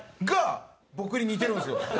が僕に似てるんですよ。